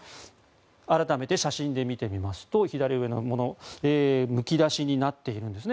改めて写真で見てみますと左上のものむき出しになっているんですね。